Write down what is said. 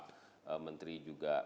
menteri juga bernaung di dalamnya dan pak